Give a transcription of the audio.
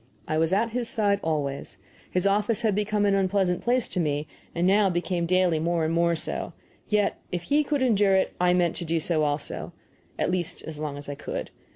I was at his side always. His office had become an unpleasant place to me, and now became daily more and more so. Yet if he could endure it I meant to do so also at least, as long as I could.